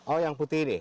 oh yang putih ini